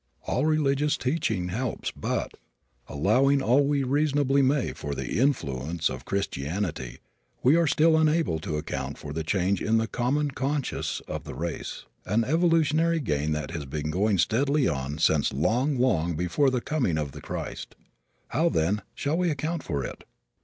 All religious teaching helps but, allowing all we reasonably may for the influence of Christianity, we are still unable to account for the change in the common conscience of the race, an evolutionary gain that has been going steadily on since long, long before the coming of the Christ. How then shall we account for it?